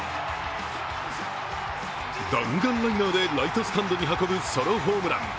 弾丸ライナーでライトスタンドに運ぶソロホームラン。